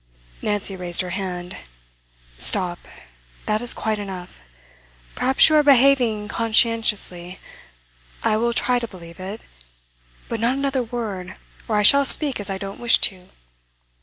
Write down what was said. Nancy raised her hand. 'Stop! That is quite enough. Perhaps you are behaving conscientiously; I will try to believe it. But not another word, or I shall speak as I don't wish to.